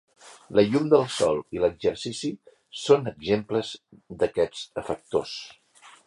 La llum del sol i l'exercici són exemples d'aquests efectors.